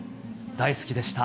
大好きでした。